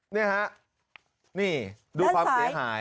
นี่ฮะนี่ดูความเสียหาย